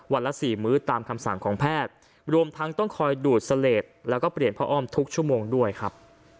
ละสี่มื้อตามคำสั่งของแพทย์รวมทั้งต้องคอยดูดเสลดแล้วก็เปลี่ยนผ้าอ้อมทุกชั่วโมงด้วยครับ